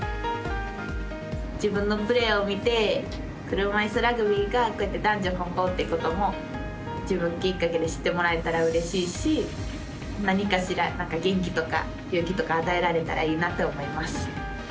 自分のプレーを見て車いすラグビーが男女混合ってことも自分きっかけで知ってもらえたら、うれしいし何かしら元気とか勇気とか与えられたらいいなと思います。